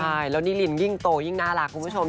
ใช่แล้วนิรินยิ่งโตยิ่งน่ารักคุณผู้ชม